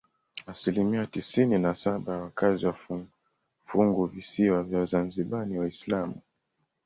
Asilimia tisini na saba ya wakazi wa funguvisiwa vya Zanzibar ni Waislamu.